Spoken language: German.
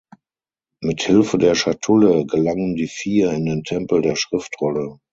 Mit Hilfe der Schatulle gelangen die Vier in den Tempel der Schriftrolle.